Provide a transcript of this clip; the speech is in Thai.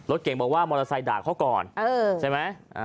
รถเก่งบอกว่ามอเซ้นี่ด่าเขาก่อนใช่ไหม